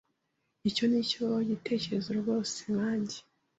Icyo nicyo gitekerezo rwose nkanjye.